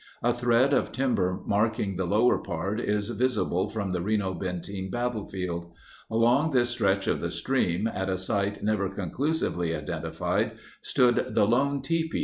A thread of timber marking the lower part is visible from the Reno Benteen Battle field. Along this stretch of the stream, at a site never conclusively identified, stood the "lone tipi."